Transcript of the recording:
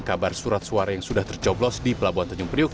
kabar surat suara yang sudah tercoblos di pelabuhan tanjung priuk